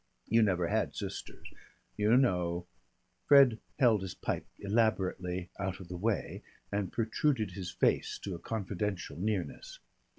You never had sisters. You know " Fred held his pipe elaborately out of the way and protruded his face to a confidential nearness.